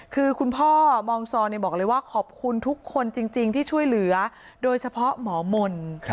คือคุณพ่อมองซอบอกเลยว่าขอบคุณทุกคนจริงที่ช่วยเหลือโดยเฉพาะหมอมนต์